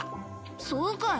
そうかい。